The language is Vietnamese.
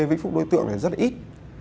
vĩnh phúc đối tượng rất ít